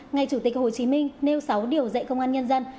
ngày chủ tịch hồ chí minh nêu sáu điều dạy công an nhân dân